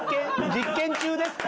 実験中ですか？